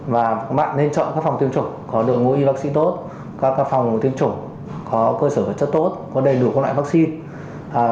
và bạn nên chọn các phòng tiêm chủng có đội ngũ y bác sĩ tốt các phòng tiêm chủng có cơ sở vật chất tốt có đầy đủ các loại vaccine